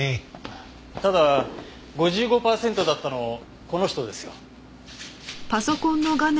ただ５５パーセントだったのこの人ですよ。